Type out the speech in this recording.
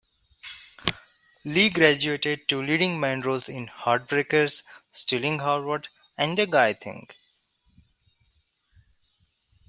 Lee graduated to leading man roles in "Heartbreakers", "Stealing Harvard", and "A Guy Thing".